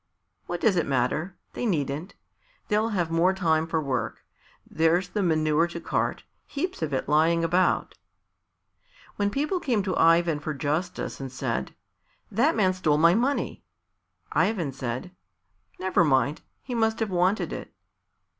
"What does it matter? They needn't. They'll have more time for work. There's the manure to cart; heaps of it lying about." When people came to Ivan for justice and said, "That man stole my money," Ivan said, "Never mind; he must have wanted it."